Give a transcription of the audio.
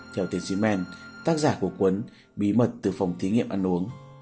theo traceman tác giả của quấn bí mật từ phòng thí nghiệm ăn uống